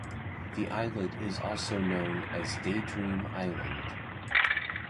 The islet is also known as Daydream Island.